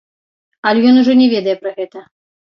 Але ён ужо не ведае пра гэта.